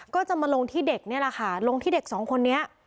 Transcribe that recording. ก็จะมาลงที่เด็กนี่แหละค่ะลงที่เด็กสองคนนี้